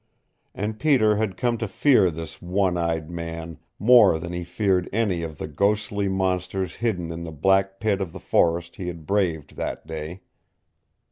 And Peter had come to fear this one eyed man more than he feared any of the ghostly monsters hidden in the black pit of the forest he had braved that day.